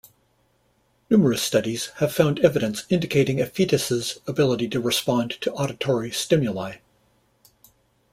Numerous studies have found evidence indicating a fetus's ability to respond to auditory stimuli.